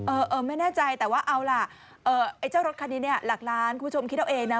เออเออไม่แน่ใจแต่ว่าเอาล่ะไอ้เจ้ารถคันนี้เนี่ยหลักล้านคุณผู้ชมคิดเอาเองนะ